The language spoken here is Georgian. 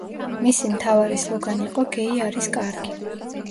მისი მთავარი სლოგანი იყო „გეი არის კარგი“.